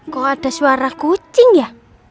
kok ada suara kucing ya